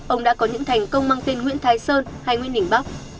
ông đã có những thành công mang tên nguyễn thái sơn hay nguyễn đình bắc